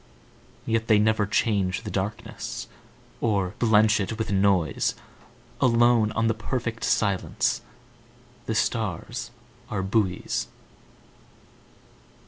Yet they never change the darknessOr blench it with noise; Alone on the perfect silenceThe stars are buoys.